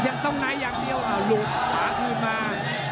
ยังต้องไอน์ทอยังเดียวหรือหลุดต่อขึ้นมา